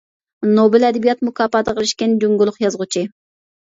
نوبېل ئەدەبىيات مۇكاپاتىغا ئېرىشكەن جۇڭگولۇق يازغۇچى.